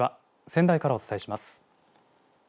仙台からお伝えします。